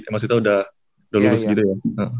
maksudnya udah lulus gitu ya